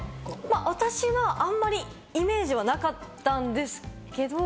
私はあんまりイメージはなかったんですけど。